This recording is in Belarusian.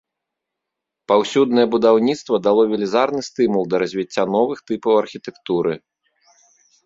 Паўсюднае будаўніцтва дало велізарны стымул да развіцця новых тыпаў архітэктуры.